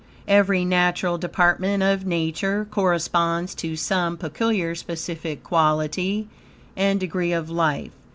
Every natural department of Nature corresponds to some peculiar specific quality and degree of life.